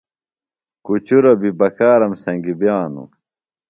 کُچُروۡ بیۡ بکارم سنگی بِیانوۡ.